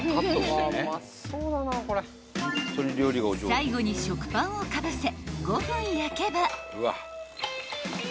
［最後に食パンをかぶせ５分焼けば］